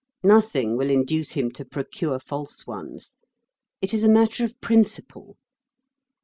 Nothing will induce him to procure false ones. It is a matter of principle.